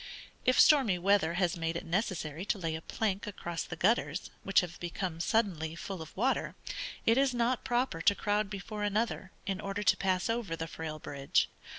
If stormy weather has made it necessary to lay a plank across the gutters, which have become suddenly full of water, it is not proper to crowd before another, in order to pass over the frail bridge.